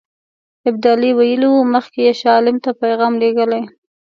ابدالي ویلي وو مخکې یې شاه عالم ته پیغام لېږلی.